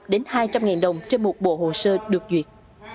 đến hai trăm linh đồng trên một bộ hồ sơ được duyệt